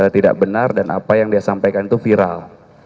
tidak benar dan apa yang dia sampaikan itu viral